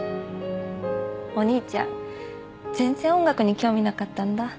お兄ちゃん全然音楽に興味なかったんだ。